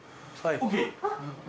ＯＫ。